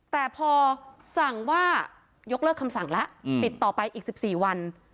แต่พอสั่งว่ายกเลิกคำสั่งแล้วปิดต่อไปอีก๑๔วัน